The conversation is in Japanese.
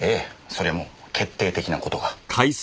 それも決定的な事が。